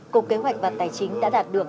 cục kế hoạch và tài chính đã đạt được